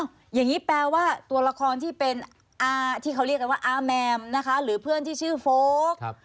อย่างนี้แปลว่าตัวละครที่เป็นอาที่เขาเรียกกันว่าอาแมมนะคะหรือเพื่อนที่ชื่อโฟลก